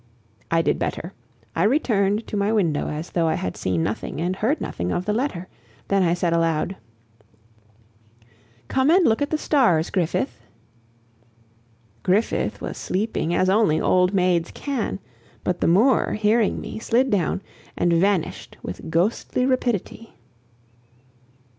I did better. I returned to my window as though I had seen nothing and heard nothing of the letter, then I said aloud: "Come and look at the stars, Griffith." Griffith was sleeping as only old maids can. But the Moor, hearing me, slid down, and vanished with ghostly rapidity.